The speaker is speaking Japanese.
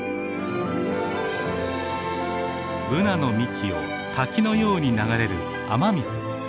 ブナの幹を滝のように流れる雨水。